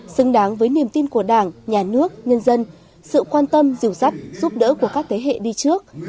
xứng đáng với niềm tin của đảng nhà nước nhân dân sự quan tâm dìu dắt giúp đỡ của các thế hệ đi trước